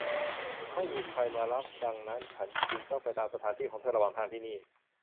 ไม่มีใครมารับดังนั้นฉันจึงไปตามสถานที่ของเธอระหว่างทางที่นี่